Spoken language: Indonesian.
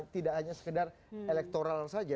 tidak hanya sekedar elektoral saja